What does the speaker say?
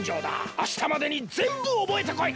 あしたまでにぜんぶおぼえてこい！